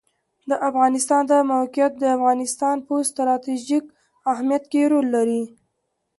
د افغانستان د موقعیت د افغانستان په ستراتیژیک اهمیت کې رول لري.